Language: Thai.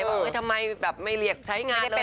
ทำไมแบบไม่เรียกใช้งานเลย